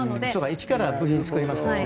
一から部品を作りますからね。